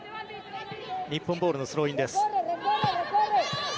日本ボールのスローインです。